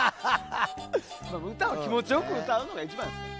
歌は気持ちよく歌うのが一番です。